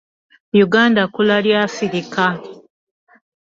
uganda kkula lya afirika.